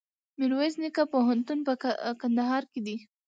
میرویس نیکه پوهنتون په کندهار کي دی.